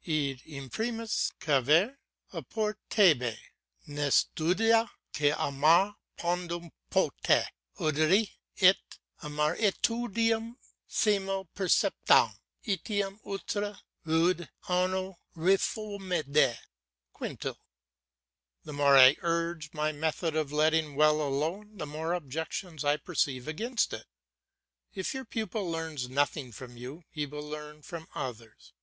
"Id imprimis cavere oportebit, ne studia, qui amare nondum potest, oderit, et amaritudinem semel perceptam etiam ultra rudes annos reformidet." Quintil. The more I urge my method of letting well alone, the more objections I perceive against it. If your pupil learns nothing from you, he will learn from others.